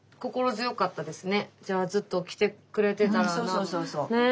そうそうそうそう。